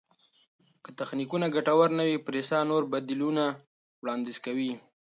که تخنیکونه ګټور نه وي، پریسا نور بدیلونه وړاندیز کوي.